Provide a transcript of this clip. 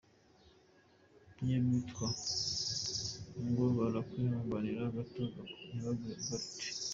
N’iyo bitwa ngo barakwihanganiye gato ntibaguha bulletin.